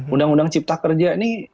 undang undang cipta kerja ini